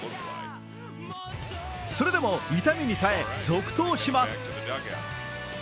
それでも痛みに耐え続投します。